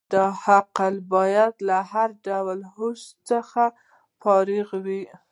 دا عقل باید له هر ډول هوس څخه فارغ وي.